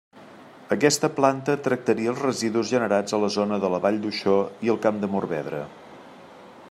Aquesta planta tractaria els residus generats a la zona de la Vall d'Uixó i el Camp de Morvedre.